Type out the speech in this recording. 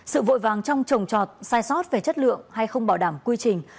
sự vội vàng trong trồng trọt sai sót về chất lượng hay không bảo đảm quy trình